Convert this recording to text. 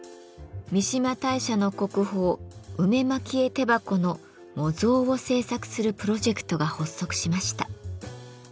三嶋大社の国宝「梅蒔絵手箱」の模造を制作するプロジェクトが発足しました。